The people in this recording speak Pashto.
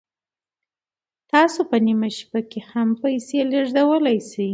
تاسو په نیمه شپه کې هم پیسې لیږدولی شئ.